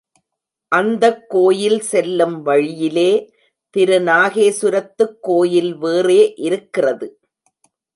அந்தக் கோயில் செல்லும் வழியிலே திருநாகேசுரத்துக் கோயில் வேறே இருக்கிறது.